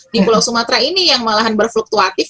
di pulau sumatera ini yang malahan berfluktuatif